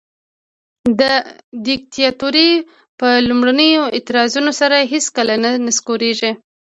دیکتاتوري په لومړنیو اعتراضونو سره هیڅکله نه نسکوریږي.